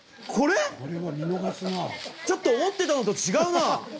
ちょっと思ってたのと違うな。